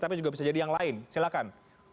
tapi juga bisa jadi yang lain silahkan